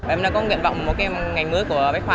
em đã có nguyện vọng một cái ngành mới của bách khoa